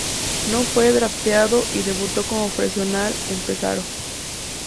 No fue drafteado y debutó como profesional en Pesaro.